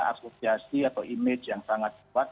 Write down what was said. asosiasi atau image yang sangat kuat